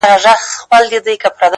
اوس مي حافظه ډيره قوي گلي ـ